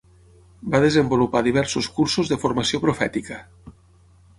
Va desenvolupar diversos cursos de formació profètica.